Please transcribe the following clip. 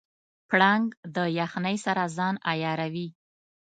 پړانګ د یخنۍ سره ځان عیاروي.